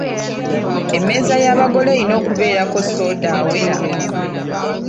Emmeeza y’abagole erina okubeerako soda awera.